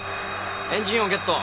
エンジン音ゲット。